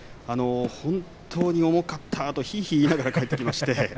本当に重かったとひいひい言いながら帰っていきました。